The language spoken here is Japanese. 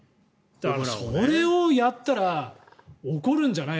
それをやったら怒るんじゃない？